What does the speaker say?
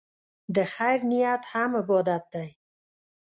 د خیر نیت هم عبادت دی.